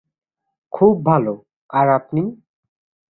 খুব ভাল। আর আপনি?